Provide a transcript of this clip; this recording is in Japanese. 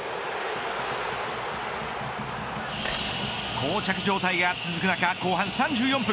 こう着状態が続く中後半３４分。